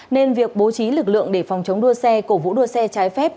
nên việc bố trí lực lượng để phòng chống đua xe cổ vũ đua xe trái phép